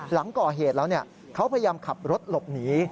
หลังก่อเหตุแล้วเขาพยายามขับรถหลบหนี